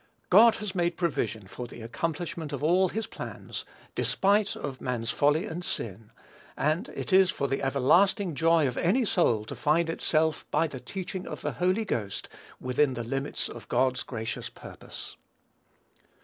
God has made provision for the accomplishment of all his plans, despite of man's folly and sin; and it is for the everlasting joy of any soul to find itself, by the teaching of the Holy Ghost, within the limits of God's gracious purpose.